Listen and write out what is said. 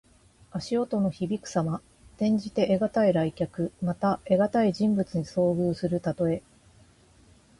足音のひびくさま。転じて、得難い来客。また、得難い人物に遭遇するたとえ。